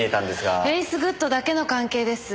フェイスグッドだけの関係です。